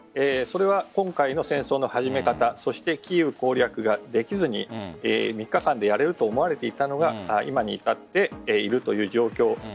それは今回の戦争の始め方そしてキーウ攻略ができずに３日間でやれると思われていたのが今に至っているという状況。